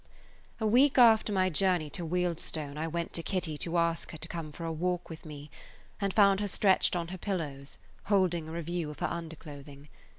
A week after my journey to Wealdstone I went to Kitty to ask her to come for a walk with me and found her stretched on her pillows, holding a review of her underclothing.